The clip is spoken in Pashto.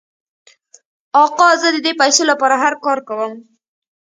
آقا زه د دې پیسو لپاره هر کار کوم.